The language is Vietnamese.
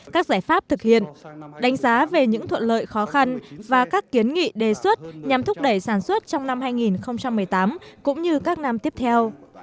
các giải pháp thực hiện đánh giá về những thuận lợi khó khăn và các kiến nghị đề xuất nhằm thúc đẩy sản xuất trong năm hai nghìn một mươi tám cũng như các năm tiếp theo